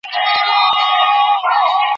আউটফিল্ডও খুব দ্রুতগতির।